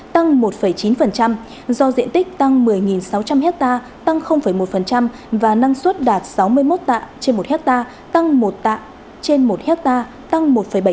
tăng một chín do diện tích tăng một mươi sáu trăm linh hectare tăng một và năng suất đạt sáu mươi một tạ trên một hectare tăng một tạ trên một hectare tăng một bảy